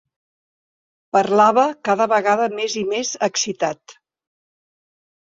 Parlava cada vegada més i més excitat.